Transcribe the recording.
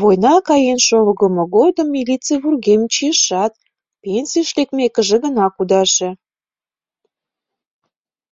Война каен шогымо годым милиций вургемым чийышат, пенсийыш лекмекыже гына кудаше.